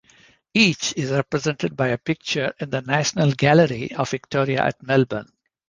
Each is represented by a picture in the National Gallery of Victoria at Melbourne.